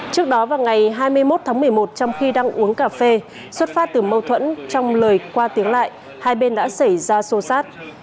trước đó vào ngày hai mươi một tháng một mươi một trong khi đang uống cà phê xuất phát từ mâu thuẫn trong lời qua tiếng lại hai bên đã xảy ra xô xát